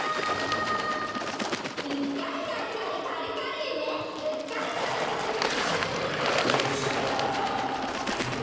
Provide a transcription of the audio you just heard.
「うっかりカリカリカリカリ梅」「うっかりカリカリ」逸材ですね。